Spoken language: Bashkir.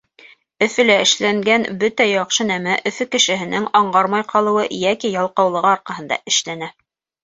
Өфөлә эшләнгән бөтә яҡшы нәмә Өфө кешеһенең аңғармай ҡалыуы йәки ялҡаулығы арҡаһында эшләнә.